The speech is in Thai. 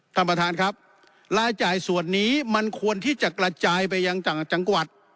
ท่านประธานครับรายจ่ายส่วนนี้มันควรที่จะกระจายไปยังต่างจังหวัด